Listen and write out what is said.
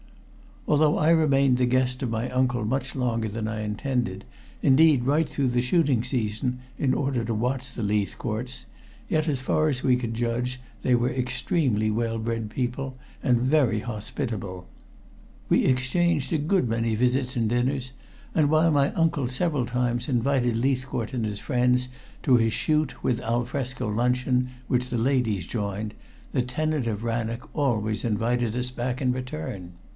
Although I remained the guest of my uncle much longer than I intended, indeed right through the shooting season, in order to watch the Leithcourts, yet as far as we could judge they were extremely well bred people and very hospitable. We exchanged a good many visits and dinners, and while my uncle several times invited Leithcourt and his friends to his shoot with al fresco luncheon, which the ladies joined, the tenant of Rannoch always invited us back in return.